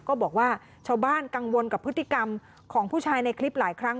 บอกว่าชาวบ้านกังวลกับพฤติกรรมของผู้ชายในคลิปหลายครั้ง